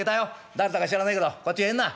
誰だか知らねえけどこっち入んな。